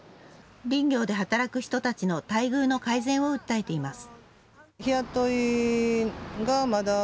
林業で働く人たちの待遇の改善を訴えています。